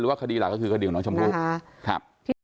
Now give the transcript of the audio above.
หรือว่าคดีหลักก็คือกดิ่งน้องชมพู